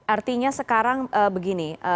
artinya sekarang begini